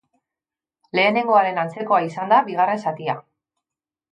Lehenengoaren antzekoa izan da bigarren zatia.